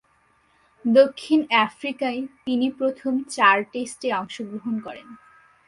দক্ষিণ আফ্রিকায় তিনি প্রথম চার টেস্টে অংশগ্রহণ করেন।